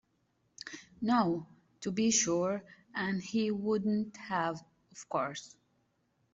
No, to be sure, and he wouldn't have, of course.